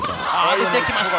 打ってきました。